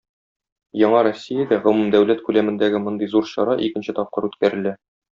Яңа Россиядә гомумдәүләт күләмендәге мондый зур чара икенче тапкыр үткәрелә.